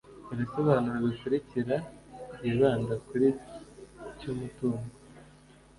ibisobanuro bikurikira byibanda kuri cy'umutungo